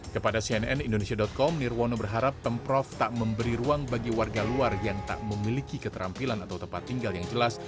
kepada cnn indonesia com nirwono berharap pemprov tak memberi ruang bagi warga luar yang tak memiliki keterampilan atau tempat tinggal yang jelas